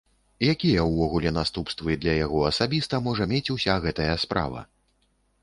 Якія ўвогуле наступствы для яго асабіста можа мець уся гэтая справа?